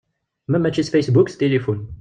Ma mačči s fasebbuk s tilifun.